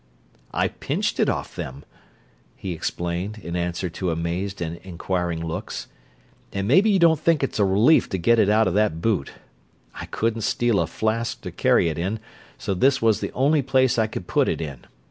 "I pinched it off them," he explained, in answer to amazed and inquiring looks, "and maybe you don't think it's a relief to get it out of that boot! I couldn't steal a flask to carry it in, so this was the only place I could put it in.